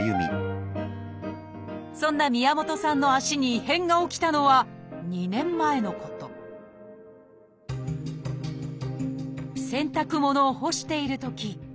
そんな宮本さんの足に異変が起きたのは２年前のこと洗濯物を干しているとき